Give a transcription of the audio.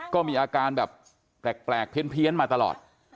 ก็มีอาการแบบแปลกเพี้ยนมาตลอด